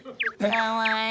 かわいい。